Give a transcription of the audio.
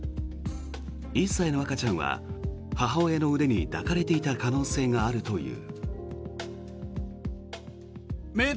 １歳の赤ちゃんは母親の腕に抱かれていた可能性があるという。